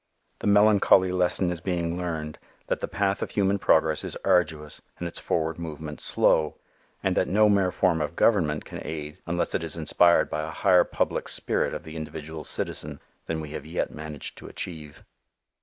The melancholy lesson is being learned that the path of human progress is arduous and its forward movement slow and that no mere form of government can aid unless it is inspired by a higher public spirit of the individual citizen than we have yet managed to achieve.